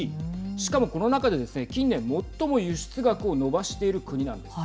しかも、この中でですね近年、最も輸出額を伸ばしている国なんです。